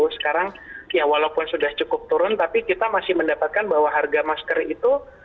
sekarang ya walaupun sudah cukup turun tapi kita masih mendapatkan bahwa harga masker itu